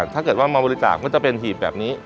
ถ้าเกิดว่ามาบริจาคก็จะเป็นหีบแบบนี้